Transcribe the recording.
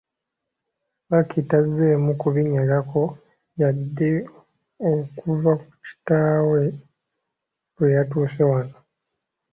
Lucky tazzeemu kubinyegako yadde okuva kitaawe lwe yatuuse wano.